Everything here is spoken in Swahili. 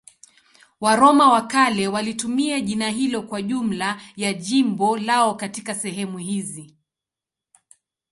Waroma wa kale walitumia jina hilo kwa jumla ya jimbo lao katika sehemu hizi.